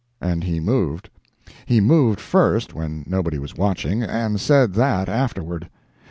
And he moved. He moved first, when nobody was watching, and said that afterward.